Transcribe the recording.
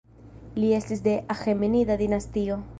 Li estis de Aĥemenida dinastio.